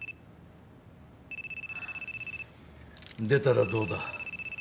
出たらどうだ？